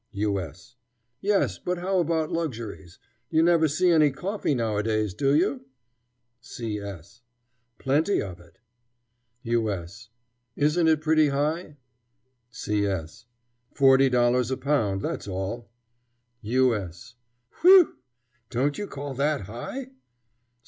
U. S. Yes; but how about luxuries? You never see any coffee nowadays, do you? C. S. Plenty of it. U. S. Isn't it pretty high? C. S. Forty dollars a pound, that's all. U. S. Whew! Don't you call that high?